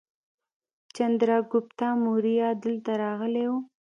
چندراګوپتا موریه دلته راغلی و